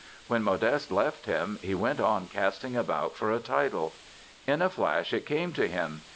When Modeste left him, he went on casting about for a title. In a flash it came to him.